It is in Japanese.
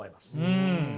うん。